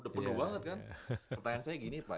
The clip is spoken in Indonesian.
pertanyaan saya gini pak